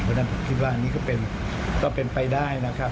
เพราะฉะนั้นผมคิดว่าอันนี้ก็เป็นไปได้นะครับ